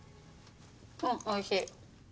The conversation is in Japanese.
うんおいしい。